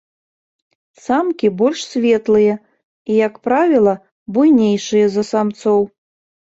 Самкі больш светлыя і, як правіла, буйнейшыя за самцоў.